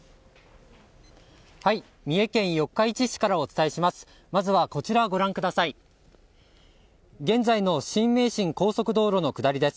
三重県四日市市からお伝えします。